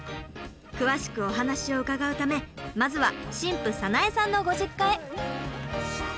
詳しくお話を伺うためまずは新婦早苗さんのご実家へ。